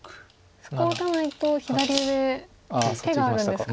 そこ打たないと左上手があるんですか。